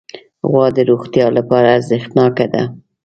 غوا د روغتیا لپاره ارزښتناکه ده.